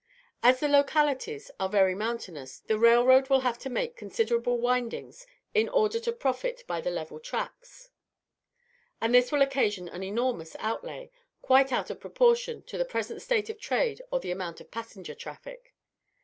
As the localities are very mountainous, the railroad will have to make considerable windings, in order to profit by the level tracts, and this will occasion an enormous outlay, quite out of proportion to the present state of trade or the amount of passenger traffic.